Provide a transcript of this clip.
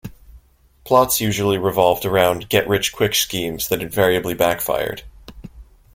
Plots usually revolved around "get rich quick" schemes that invariably backfired.